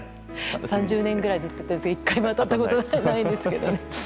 ３０年ぐらいずっと買ってますが１回も当たったことがないんですけどね。